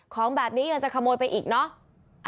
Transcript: ของแบบนี้ยังจะขโมยไปอีกเนอะ